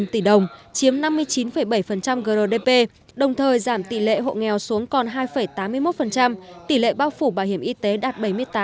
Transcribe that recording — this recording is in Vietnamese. một trăm linh tỷ đồng chiếm năm mươi chín bảy grdp đồng thời giảm tỷ lệ hộ nghèo xuống còn hai tám mươi một tỷ lệ bao phủ bảo hiểm y tế đạt bảy mươi tám tám